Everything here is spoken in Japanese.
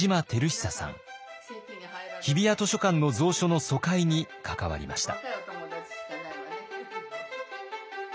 日比谷図書館の蔵書の疎開に関わりました。